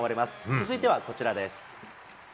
続いてはこちらです。